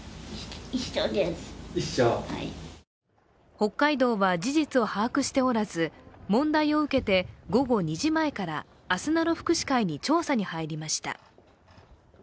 北海道は事実を把握しておらず問題を受けて午後２時前からあすなろ福祉会に調査に入りました。